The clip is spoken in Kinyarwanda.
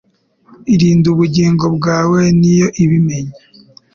Irinda ubugingo bwawe ni yo ibimenya.